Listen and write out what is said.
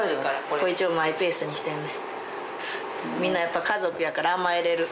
一応マイペースにしてんねん。